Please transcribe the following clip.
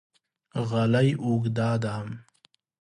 غالۍ اوږده ده